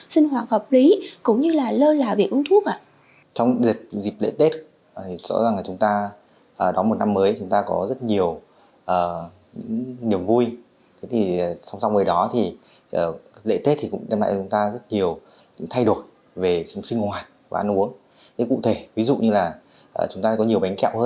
sinh hoạt hợp lý cũng như lơ là việc uống thuốc ạ